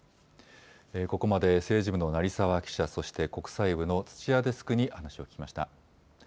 ここまで政治部の成澤記者、そして国際部の土屋デスクに話を聞きました。